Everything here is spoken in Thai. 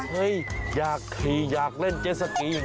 เฮ้ยอยากขี่อยากเล่นเจสสกีเห